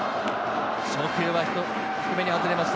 初球は低めに外れました。